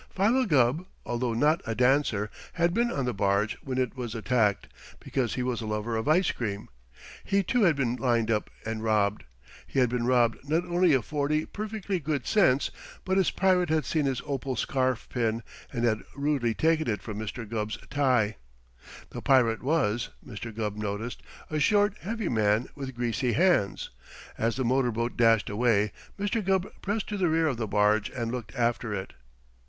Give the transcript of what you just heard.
Philo Gubb, although not a dancer, had been on the barge when it was attacked, because he was a lover of ice cream. He too had been lined up and robbed. He had been robbed not only of forty perfectly good cents, but his pirate had seen his opal scarf pin and had rudely taken it from Mr. Gubb's tie. The pirate was, Mr. Gubb noticed, a short, heavy man with greasy hands. As the motor boat dashed away, Mr. Gubb pressed to the rear of the barge and looked after it.